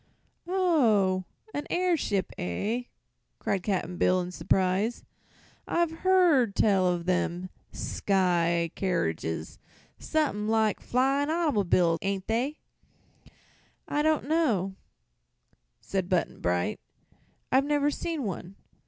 "Oh; a airship, eh?" cried Cap'n Bill, in surprise. "I've hearn tell o' them sky keeridges; someth'n' like flyin' autymob'l's, ain't they?" "I don't know," said Button Bright; "I've never seen one."